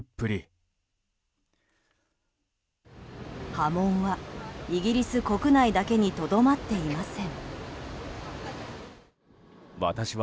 波紋はイギリス国内だけにとどまっていません。